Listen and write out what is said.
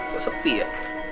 kok sepi ya